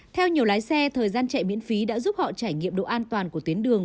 theo nhiều lái xe thời gian chạy miễn phí đã giúp họ trải nghiệm độ an toàn của tuyến đường